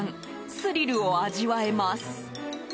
スリルを味わえます。